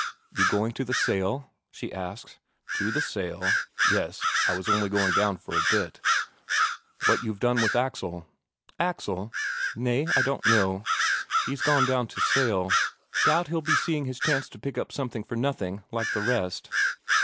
"You going to the sale?" she asks. "To the sale? Well, I was only going down a bit. What you've done with Axel?" "Axel? Nay, I don't know. He's gone down to sale. Doubt he'll be seeing his chance to pick up something for nothing, like the rest."